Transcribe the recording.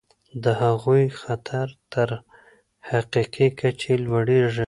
د هغوی خطر تر حقیقي کچې لوړیږي.